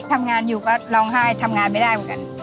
ทำงานอยู่ก็ร้องไห้ทำงานไม่ได้เหมือนกัน